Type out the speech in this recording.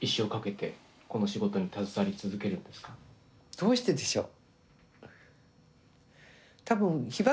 どうしてでしょう。